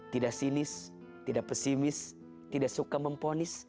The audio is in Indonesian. tidak sinis tidak pesimis tidak suka memponis